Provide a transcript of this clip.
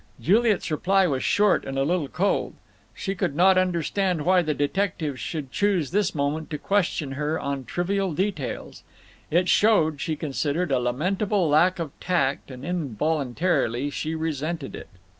Juliet's reply was short and a little cold. She could not understand why the detective should choose this moment to question her on trivial details. It showed, she considered, a lamentable lack of tact, and involuntarily she resented it.